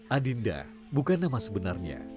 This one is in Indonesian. adinda bukan nama sebenarnya